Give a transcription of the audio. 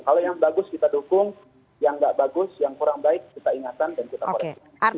kalau yang bagus kita dukung yang nggak bagus yang kurang baik kita ingatkan dan kita koreksi